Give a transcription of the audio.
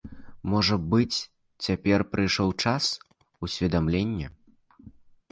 Можа быць, цяпер прыйшоў час, усведамленне.